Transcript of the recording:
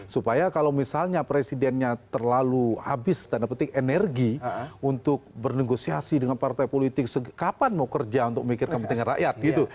supaya kalau misalnya presidennya terlalu habis tanda petik energi untuk bernegosiasi dengan partai politik kapan mau kerja untuk memikirkan kepentingan rakyat gitu